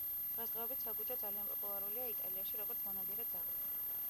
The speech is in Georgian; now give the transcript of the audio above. დღესდღეობით სეგუჯო ძალიან პოპულარულია იტალიაში როგორც მონადირე ძაღლი.